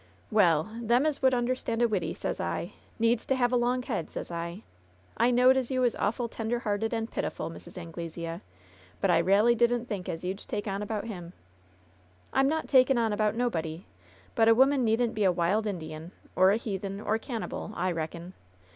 "Well! them as would amderstand a widdy, sez I, need to have a long head, sez II I knowed as you was awful tender hearted and pitiful, Mrs. Anglesea. But I ralely didn't think as you'd take on about him." "I'm not taken on about nobody. But a woman needn't be a wild Indian, or a heathen, or cannibal, I reckon.